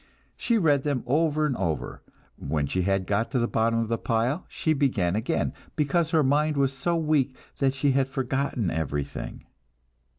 She read them over and over; when she had got to the bottom of the pile, she began again, because her mind was so weak that she had forgotten everything.